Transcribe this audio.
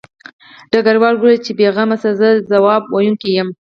ډګروال وویل چې بې غمه شه زه ځواب ویونکی یم